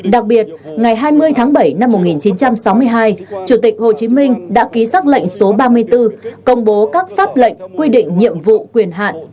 đặc biệt ngày hai mươi tháng bảy năm một nghìn chín trăm sáu mươi hai chủ tịch hồ chí minh đã ký xác lệnh số ba mươi bốn công bố các pháp lệnh quy định nhiệm vụ quyền hạn